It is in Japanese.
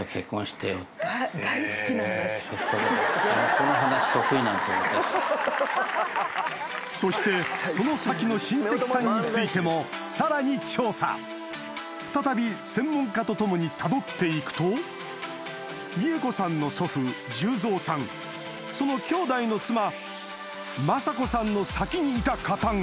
そうそしてその先の親戚さんについてもさらに調査再び専門家と共にたどっていくと美枝子さんの祖父重蔵さんその兄弟の妻政子さんの先にいた方が